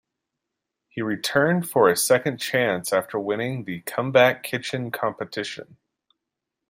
He returned for a second chance after winning the Comeback Kitchen competition.